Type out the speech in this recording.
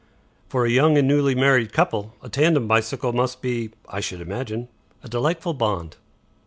"For a young and newly married couple, a tandem bicycle must be, I should imagine, a delightful bond."